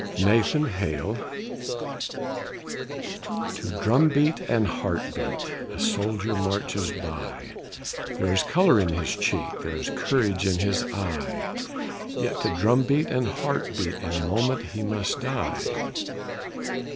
NATHAN HALE [September 22, 1776] To drum beat and heart beat, A soldier marches by; There is color in his cheek, There is courage in his eye, Yet to drum beat and heart beat In a moment he must die.